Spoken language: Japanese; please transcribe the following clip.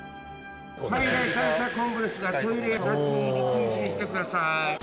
災害対策本部ですがトイレ立ち入り禁止にしてください。